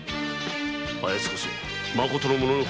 あやつこそまことの武士。